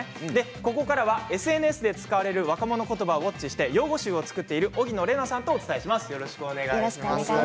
ここからはＳＮＳで使われる若者言葉をウォッチして用語集を作っている荻野玲奈さんとお伝えします。